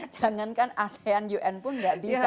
jangan kan asean un pun tidak bisa